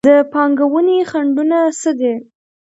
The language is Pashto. د پانګونې خنډونه څه دي؟